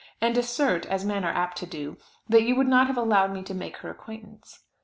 and assert, as men are apt to do, that you would not have allowed me to make her acquaintance.